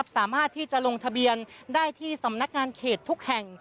สามารถที่จะลงทะเบียนได้ที่สำนักงานเขตทุกแห่ง